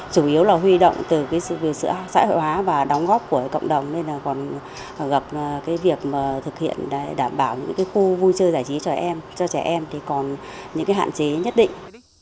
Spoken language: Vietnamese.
chủ yếu là huy động từ sự xã hội hóa và đóng góp của cộng đồng nên là còn gặp cái việc thực hiện đảm bảo những cái khu vui chơi giải trí cho trẻ em thì còn những cái hạn chế nhất định